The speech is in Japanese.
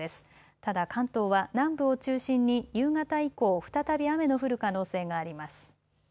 ただ関東は南部を中心に夕方以降、再び雨の降る可能性があります。